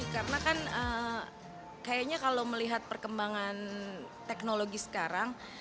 karena kan kayaknya kalau melihat perkembangan teknologi sekarang